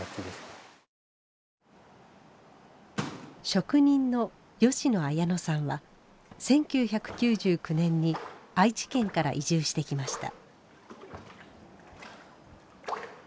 職人の吉野綾野さんは１９９９年に愛知県から移住してきました。